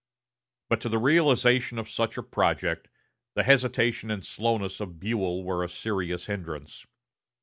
But to the realization of such a project, the hesitation and slowness of Buell were a serious hindrance.